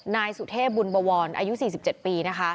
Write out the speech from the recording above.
นายสุเทพบุญบวรอายุ๔๗ปีนะคะ